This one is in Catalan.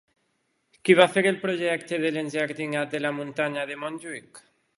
Qui va fer el projecte de l'enjardinat de la muntanya de Montjuïc?